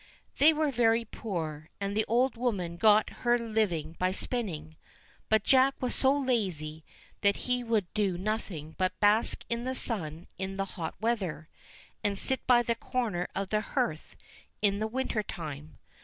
They were very poor, and the old woman got her Hving by spinning, but Jack was so lazy that he would do nothing but bask in the sun in the hot weather, and sit by the corner of the hearth in the winter time.